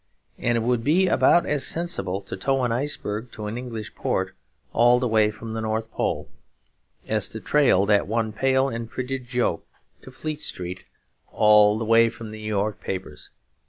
And it would be about as sensible to tow an iceberg to an English port all the way from the North Pole, as to trail that one pale and frigid joke to Fleet Street all the way from the New York papers.